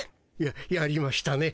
ややりましたね